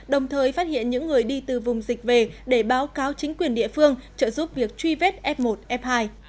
đồng thời phát hiện những người đi từ vùng dịch về để báo cáo chính quyền địa phương trợ giúp việc truy vết f một f hai